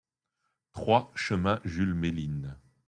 trois chemin Jules Méline